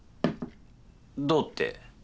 どうって？